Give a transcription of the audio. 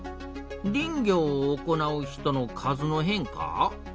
「林業を行う人の数の変化」？